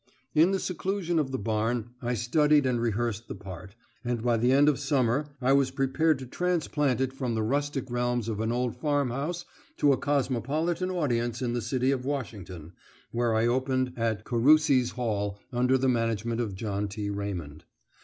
In the seclusion of the barn I studied and rehearsed the part, and by the end of summer I was prepared to transplant it from the rustic realms of an old farmhouse to a cosmopolitan audience in the city of Washington, where I opened at Carusi's Hall under the management of John T. Raymond.